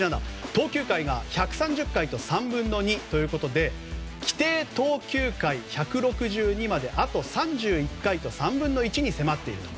投球回１３０回と３分の２ということで規定投球回１６２まであと３１回と３分の１に迫っていると。